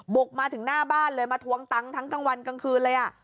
บุกมาถึงหน้าบ้านเลยมาทวงตังค์ทั้งกลางวันกลางคืนเลย